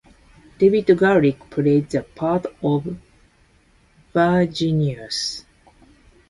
David Garrick played the part of Virginius.